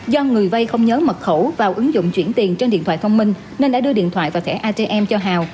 do người vay không nhớ mật khẩu vào ứng dụng chuyển tiền trên điện thoại thông minh nên đã đưa điện thoại và thẻ atm cho hào